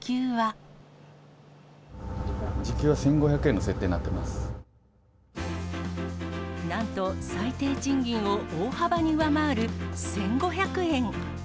時給は１５００円の設定にななんと、最低賃金を大幅に上回る１５００円。